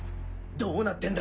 どうなってんだ？